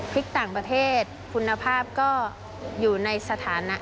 พริกต่างประเทศคุณภาพก็อยู่ในสถานะ